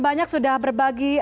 banyak sudah berbagi